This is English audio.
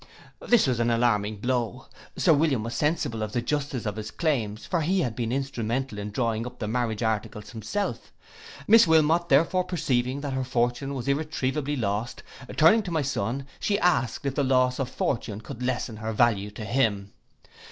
This was an alarming blow, Sir William was sensible of the justice of his claims, for he had been instrumental in drawing up the marriage articles himself. Miss Wilmot therefore perceiving that her fortune was irretrievably lost, turning to my son, she asked if the loss of fortune could lessen her value to him.